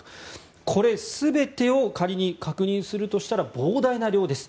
これ全てを仮に確認するとしたら膨大な量です。